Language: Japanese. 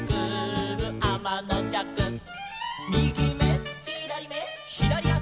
「みぎめ」「ひだりめ」「ひだりあし」